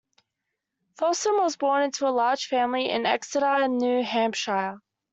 Folsom was born into a large family in Exeter, New Hampshire.